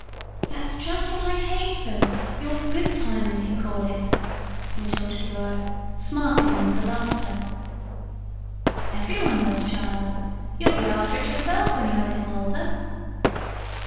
"That's just what I hate so your good time, as you call it," retorted Laura, smarting under the laughter. "Everyone does, child. You'll be after it yourself when you're a little older."